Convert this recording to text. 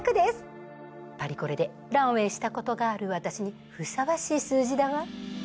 パリコレでランウェイしたことがある私にふさわしい数字だわ。